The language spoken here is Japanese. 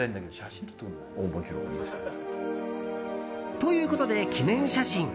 ということで記念写真。